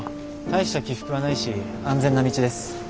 大した起伏はないし安全な道です。